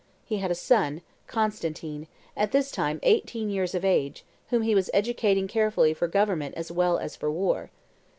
He had a son, Constantine, at this time eighteen years of age, whom he was educating carefully for government as well as for war.